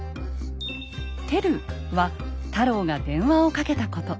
「ｔｅｌ」は太郎が電話をかけたこと。